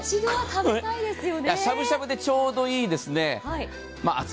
しゃぶしゃぶでちょうどいいですね。